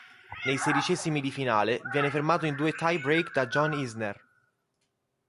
Nei sedicesimi di finale viene fermato in due tie-break da John Isner.